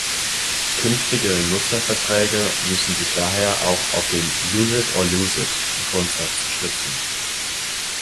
Künftige Nutzerverträge müssen sich daher auch auf den "Use-it-or-lose-it"-Grundsatz stützen.